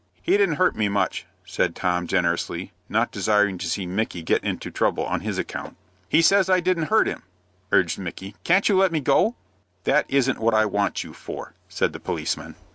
"He didn't hurt me much," said Tom, generously, not desiring to see Micky get into trouble on his account. "He says I didn't hurt him," urged Micky. "Can't you let me go?" "That isn't what I want you for," said the policeman.